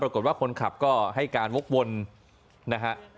ปรากฏว่าคนขับก็ให้การวกวนนะฮะ